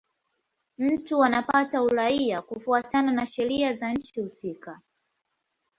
Mtu anapata uraia kufuatana na sheria za nchi husika.